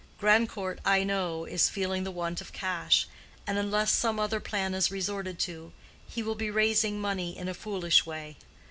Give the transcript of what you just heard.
Grandcourt, I know, is feeling the want of cash; and unless some other plan is resorted to, he will be raising money in a foolish way.